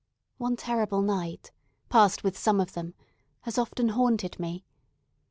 One terrible night, passed with some of them, has often haunted me.